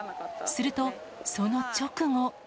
すると、その直後。